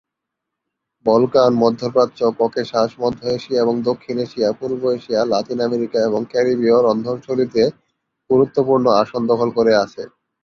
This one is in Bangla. বলকান, মধ্যপ্রাচ্য, ককেশাস, মধ্য এশিয়া এবং দক্ষিণ এশিয়া, পূর্ব এশিয়া, লাতিন আমেরিকা এবং ক্যারিবীয় রন্ধনশৈলীতে গুরুত্বপূর্ণ আসন দখল করে আছে।